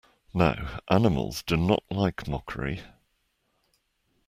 Now animals do not like mockery.